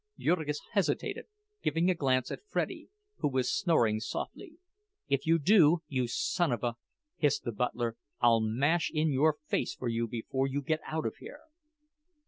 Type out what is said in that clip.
Jurgis hesitated, giving a glance at Freddie, who was snoring softly. "If you do, you son of a—" hissed the butler, "I'll mash in your face for you before you get out of here!"